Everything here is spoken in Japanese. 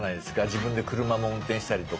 自分で車も運転したりとか。